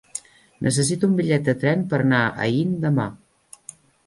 Necessito un bitllet de tren per anar a Aín demà.